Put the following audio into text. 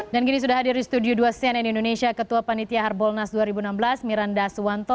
dan gini sudah hadir di studio dua cnn indonesia ketua panitia harbolnas dua ribu enam belas miranda suwanto